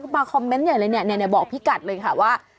มาคอมเมนต์ใหญ่เลยเนี่ยบอกพี่กัดเลยค่ะว่า